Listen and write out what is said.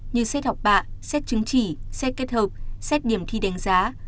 như xét học bạ xét chứng chỉ xét kết hợp xét điểm thi đánh giá